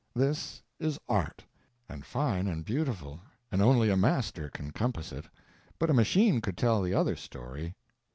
This is art and fine and beautiful, and only a master can compass it; but a machine could tell the other story.